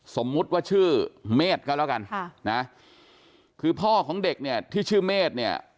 สมมุติว่าชื่อเมฆก็แล้วกันค่ะนะคือพ่อของเด็กเนี่ยที่ชื่อเมฆเนี่ย